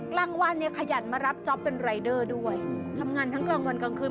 กลางวันเนี่ยขยันมารับจ๊อปเป็นรายเดอร์ด้วยทำงานทั้งกลางวันกลางคืน